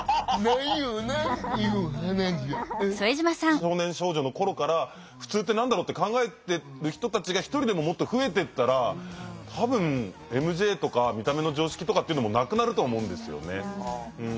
少年少女の頃から普通って何だろうって考えてる人たちが一人でももっと増えてったら多分ＭＪとか見た目の常識とかっていうのもなくなると思うんですよね。